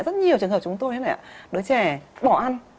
rất nhiều trường hợp chúng tôi đứa trẻ bỏ ăn